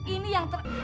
ini yang ter